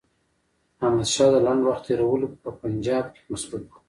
احمدشاه د لنډ وخت تېرولو په پنجاب کې مصروف وو.